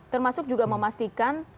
termasuk juga memastikan